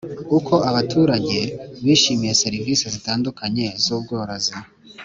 Uko abaturage bishimiye serivisi zitandukanye z ubworozi